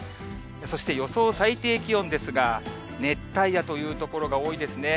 そして予想最低気温ですが、熱帯夜という所が多いですね。